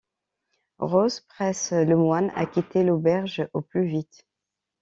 Rose presse le moine à quitter l'auberge au plus vite.